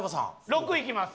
６いきます！